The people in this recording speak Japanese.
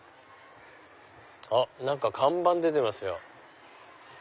何か看板出てますよ。